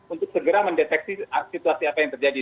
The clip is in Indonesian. untuk segera mendeteksi situasi apa yang terjadi